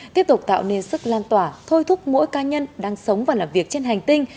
tiếp tục tạo nên sức lan tỏa thôi thúc mỗi ca nhân đang sống và làm việc trên hành tinh